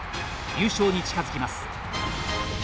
優勝に近づきます。